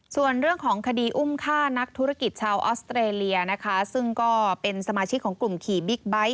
ส่วนเรื่องของคดีอุ้มฆ่านักธุรกิจชาวออสเตรเลียนะคะซึ่งก็เป็นสมาชิกของกลุ่มขี่บิ๊กไบท์